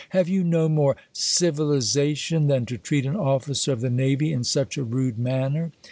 *' Have you no more civilization than to treat an oflicer of the navy in such a rude manner